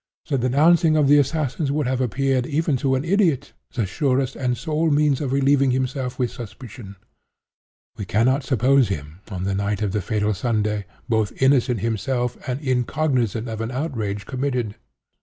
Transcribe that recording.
The denouncing of the assassins would have appeared, even to an idiot, the surest and sole means of relieving himself from suspicion. We cannot suppose him, on the night of the fatal Sunday, both innocent himself and incognizant of an outrage committed.